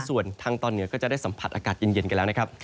ส่วนทางตอนเหนือก็จะได้สัมผัสอากาศเย็นกันแล้วนะครับ